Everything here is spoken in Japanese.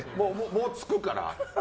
もう着くから。